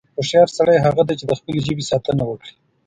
هوښیار سړی هغه دی، چې د خپلې ژبې ساتنه وکړي.